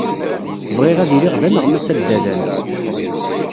Bɣiɣ ad iliɣ d aneɣmas addalan.